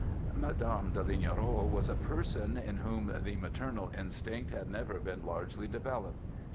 "Madame de Lignerolles was a person, in whom the maternal instinct had never been largely developed.